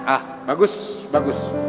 ah bagus bagus